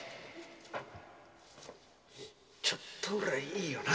ちょっとぐらいいいよな。